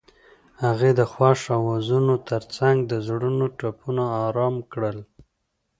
هغې د خوښ اوازونو ترڅنګ د زړونو ټپونه آرام کړل.